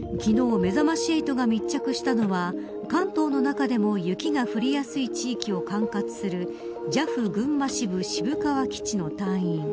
めざまし８が密着したのは関東の中でも雪が降りやすい地域を管轄するＪＡＦ群馬支部渋川基地の隊員。